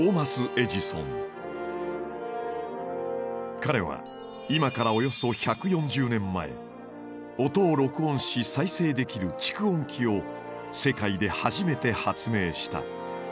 彼は今からおよそ１４０年前音を録音し再生できる蓄音機を世界で初めて発明した。